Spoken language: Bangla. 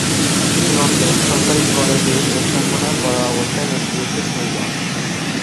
তিনি নরসিংদী সরকারি কলেজে অধ্যাপনা করা অবস্থায় মুক্তিযুদ্ধে শহীদ হন।